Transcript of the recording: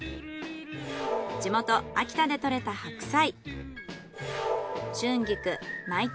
地元秋田で採れた白菜。